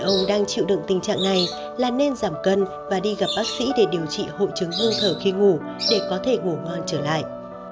ông đang chịu đựng tình trạng này là nên giảm cân và đi gặp bác sĩ để điều trị hội chứng bơ thở khi ngủ để có thể ngủ ngon trở lại